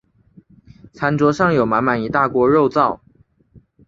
餐桌上有满满一大锅肉燥